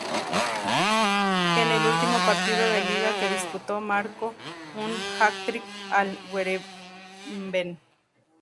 En el último partido de liga que disputó marcó un hat-trick al Heerenveen.